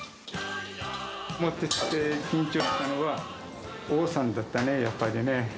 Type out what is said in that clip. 持っていって、緊張したのは王さんだったね、やっぱりね。